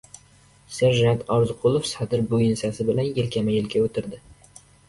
Serjant Orziqulov Sadir bo‘yinsasi bilan yelkama-yelka o‘tirdi.